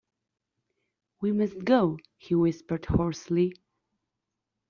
"We must go," he whispered hoarsely.